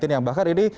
yang bahkan ini